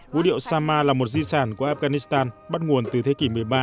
vũ điệu sama là một di sản của afghanistan bắt nguồn từ thế kỷ một mươi ba